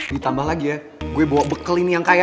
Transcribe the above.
ditambah lagi ya gue bawa bekal ini yang kaya